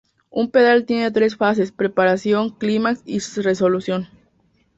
Un pedal tiene tres fases: preparación, clímax y resolución.